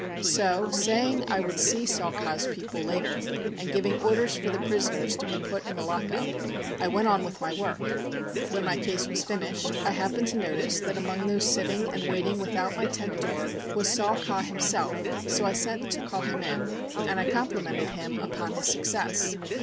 So, saying I would see Saw Ka's people later, and giving orders for the prisoners to be put in the lock up, I went on with my work. When my case was finished, I happened to notice that among those sitting and waiting without my tent door was Saw Ka himself, so I sent to call him in, and I complimented him upon his success.